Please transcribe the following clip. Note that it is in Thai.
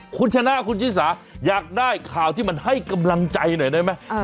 คุณชนะคุณชิสาอยากได้ข่าวที่มันให้กำลังใจหน่อยได้ไหม